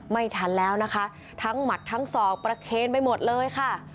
ไม่ทันแล้วนะคะทั้งหมัดทั้งศอกประเคนไปหมดเลยค่ะ